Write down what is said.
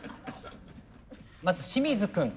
まず清水君。